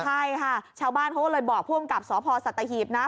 ใช่ค่ะชาวบ้านเขาก็เลยบอกผู้อำกับสพสัตหีบนะ